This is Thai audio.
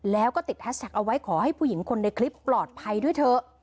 แล้วก็ติดแฮชแท็กเอาไว้ขอให้ผู้หญิงคนในคลิปปลอดภัยด้วยเถอะ